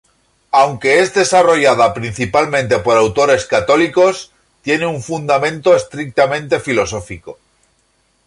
Aunque es desarrollada principalmente por autores católicos, tiene un fundamento estrictamente filosófico.